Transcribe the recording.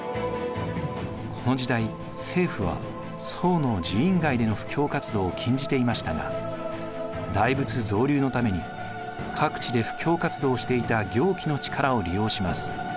この時代政府は僧の寺院外での布教活動を禁じていましたが大仏造立のために各地で布教活動をしていた行基の力を利用します。